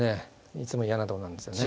いつも嫌なところなんですよね。